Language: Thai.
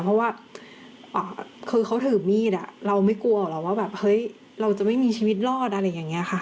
เพราะว่าคือเขาถือมีดเราไม่กลัวหรอกว่าแบบเฮ้ยเราจะไม่มีชีวิตรอดอะไรอย่างนี้ค่ะ